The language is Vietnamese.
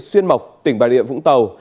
xuyên mộc tỉnh bài địa vũng tàu